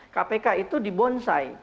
kpk itu dibonsai